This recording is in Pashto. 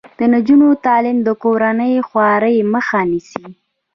د نجونو تعلیم د کورنۍ خوارۍ مخه نیسي.